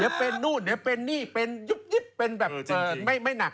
เดี๋ยวเป็นนู่นเดี๋ยวเป็นนี่เป็นยุบเป็นแบบจริงไม่หนัก